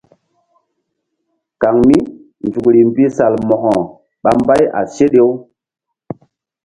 Kaŋ mí nzukri mbi Salmo̧ko ɓa mbay a seɗe-u.